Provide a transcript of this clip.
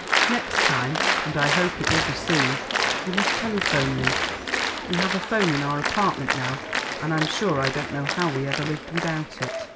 Next time and I hope it will be soon you must telephone me. We have a 'phone in our apartment now, and I'm sure I don't know how we ever lived without it.